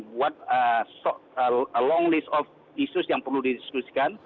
buat long list of issues yang perlu didiskusikan